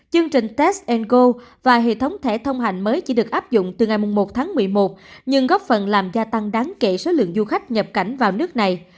chương trình test ango và hệ thống thẻ thông hành mới chỉ được áp dụng từ ngày một tháng một mươi một nhưng góp phần làm gia tăng đáng kể số lượng du khách nhập cảnh vào nước này